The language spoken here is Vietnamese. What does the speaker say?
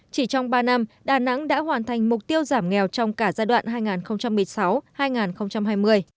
chỉ trong ba năm đà nẵng đã hoàn thành mục tiêu giảm nghèo trong cả giai đoạn hai nghìn một mươi sáu hai nghìn hai mươi